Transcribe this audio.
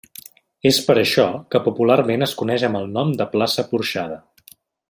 És per això que popularment es coneix amb el nom de Plaça Porxada.